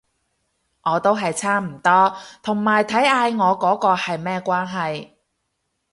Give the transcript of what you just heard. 我都係差唔多，同埋睇嗌我嗰個係咩關係